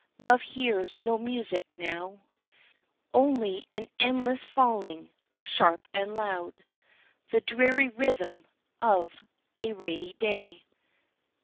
Love hears no music now Only an endless falling, sharp and loud, The dreary rhythm of a rainy day.